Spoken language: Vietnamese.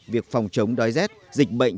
việc phòng chống đói rét dịch bệnh